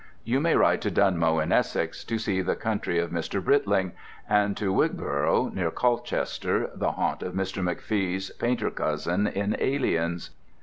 You may ride to Dunmow in Essex, to see the country of Mr. Britling; and to Wigborough, near Colchester, the haunt of Mr. McFee's painter cousin in "Aliens."